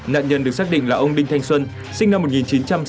nạn nhân được xác định là ông đinh thanh xuân sinh năm một nghìn chín trăm sáu mươi